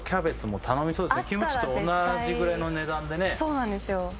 あったら絶対キムチと同じぐらいの値段でねそうなんですよ